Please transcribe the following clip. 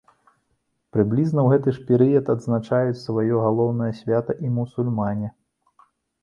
Прыблізна ў гэты ж перыяд адзначаюць сваё галоўнае свята і мусульмане.